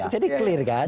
jadi clear kan